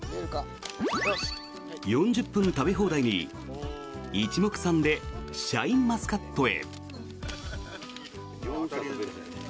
４０分食べ放題に一目散でシャインマスカットへ。